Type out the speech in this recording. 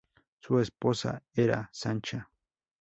Su esposa era Sancha.